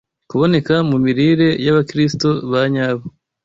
kuboneka mu mirire y’Abakristo ba nyabo